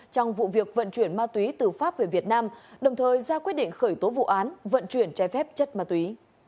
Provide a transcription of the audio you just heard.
trong vụ việc vận chuyển ma túy từ pháp về việt nam đồng thời ra quyết định khởi tố vụ án vận chuyển trái phép chất ma túy